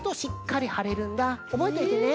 おぼえといてね。